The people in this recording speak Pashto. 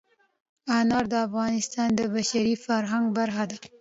انار د افغانستان د بشري فرهنګ برخه ده.